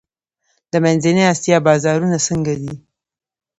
د منځنۍ اسیا بازارونه څنګه دي؟